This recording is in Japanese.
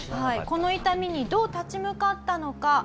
この痛みにどう立ち向かったのか？